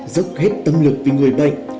dốc hết tâm lực vì người bệnh